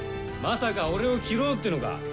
まさか俺を斬ろうっていうのか？